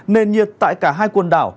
nền nhiệt tại cả hai quần đảo